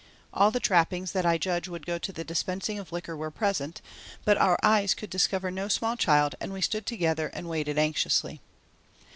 All the trappings that I judge would go with the dispensing of liquor were present, but our eyes could discover no small child and we stood together and waited anxiously.